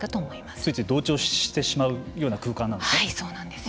ついつい同調してしまうような空間なんですね。